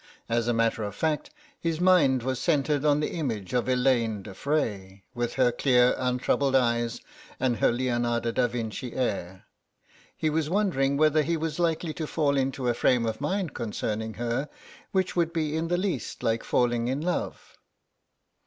As a matter of fact, his mind was centred on the image of Elaine de Frey, with her clear untroubled eyes and her Leonardo da Vinci air. He was wondering whether he was likely to fall into a frame of mind concerning her which would be in the least like falling in love.